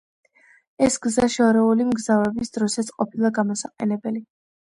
ეს გზა შორეული მგზავრობის დროსაც ყოფილა გამოსაყენებელი.